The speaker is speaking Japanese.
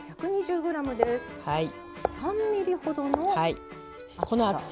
３ｍｍほどの厚さ。